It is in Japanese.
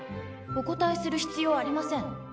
お答えする必要ありません。